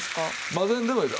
混ぜんでもいい。